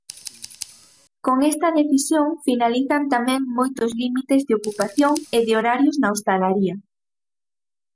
Con esta decisión finalizan tamén moitos límites de ocupación e de horarios na hostalaría.